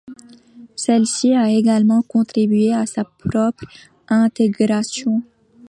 Celle-ci a également contribué à sa propre intégration.